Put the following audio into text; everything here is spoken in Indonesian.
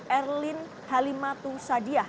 erlin halimatu sadiyah